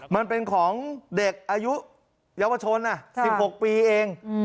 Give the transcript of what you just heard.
มันเป็นของเด็กอายุเยาวชน๑๖ปีเอง